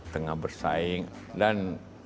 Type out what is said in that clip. tengah bersaing dan